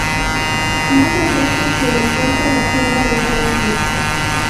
Más al este se encuentra la Sierra de Francia.